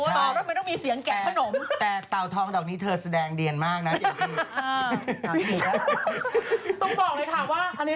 ชอบแล้วมันต้องมีเสียงแกะขนมคงได้อย่างนี้